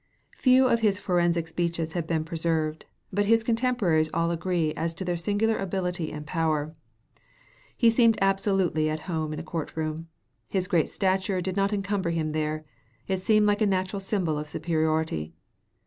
Few of his forensic speeches have been preserved, but his contemporaries all agree as to their singular ability and power. He seemed absolutely at home in a court room; his great stature did not encumber him there; it seemed like a natural symbol of superiority.